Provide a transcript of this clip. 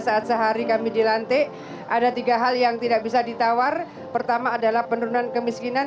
saat sehari kami dilantik ada tiga hal yang tidak bisa ditawar pertama adalah penurunan kemiskinan